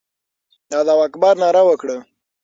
د الله اکبر ناره وکړه.